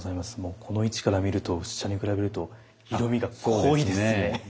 この位置から見ると薄茶に比べると色みが濃いですね。